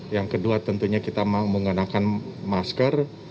yang kedua tentunya kita menggunakan masker